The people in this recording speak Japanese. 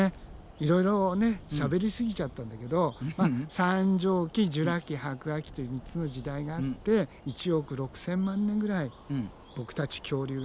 いろいろしゃべりすぎちゃったんだけど三畳紀ジュラ紀白亜紀という３つの時代があって１億６，０００万年ぐらいボクたち恐竜がね